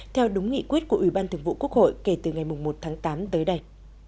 theo đúng nghị quyết của ủy ban thường vụ quốc hội kể từ ngày một tháng tám tới đây